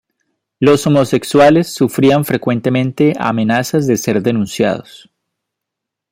Los homosexuales sufrían frecuentemente amenazas de ser denunciados.